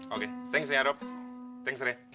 oke thanks ya rob thanks re